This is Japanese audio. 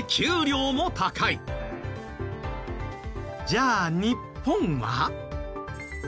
じゃあ日本は？